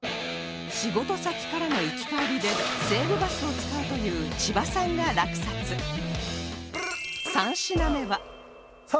仕事先からの行き帰りで西武バスを使うという千葉さんが落札さあ